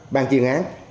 ban chuyên án